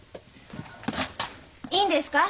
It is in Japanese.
いいんですか？